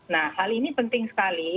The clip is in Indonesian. nah hal ini penting sekali